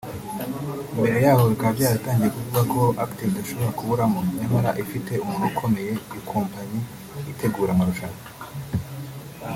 Mbere yaho bikaba byaratangiye kuvugwa ko Active idashobora kuburamo nyamara ifite umuntu ukomeye mu ikompanyi itegura amarushanwa